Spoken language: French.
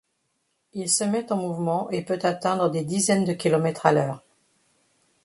Il se met en mouvement et peut atteindre des dizaines de kilomètres à l'heure.